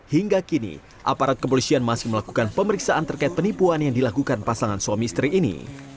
hingga kini aparat kepolisian masih melakukan pemeriksaan terkait penipuan yang dilakukan pasangan suami istri ini